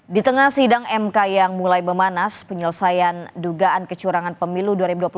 di tengah sidang mk yang mulai memanas penyelesaian dugaan kecurangan pemilu dua ribu dua puluh empat